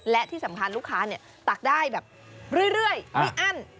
และที่สำคัญลูกค้าตักได้แบบเรื่อยไม่อั้น